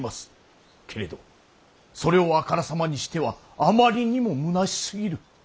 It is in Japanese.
けれどそれをあからさまにしてはあまりにもむなしすぎる。